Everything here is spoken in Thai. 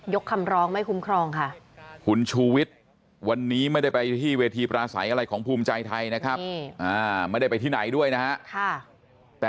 ยกคำร้องไม่คุ้มครองค่ะ